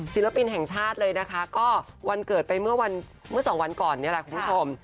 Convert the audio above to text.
ศิลปินแห่งชาติเลยนะคะก็วันเกิดไปเมื่อสองวันก่อนนี่แหละคุณผู้ชม